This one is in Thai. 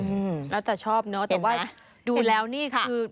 อืมแล้วแต่ชอบเนอะแต่ว่าดูแล้วนี่คือ